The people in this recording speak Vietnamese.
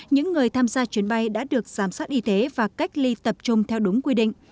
những người tham gia chuyến bay đã được giám sát y tế và cách ly tập trung theo đúng quy định